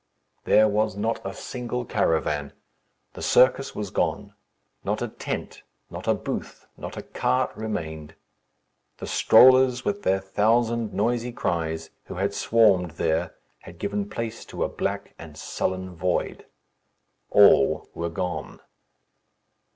There was not a single caravan. The circus was gone. Not a tent, not a booth, not a cart, remained. The strollers, with their thousand noisy cries, who had swarmed there, had given place to a black and sullen void. All were gone.